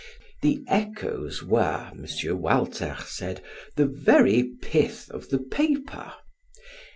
The "Echoes" were, M. Walter said, the very pith of the paper.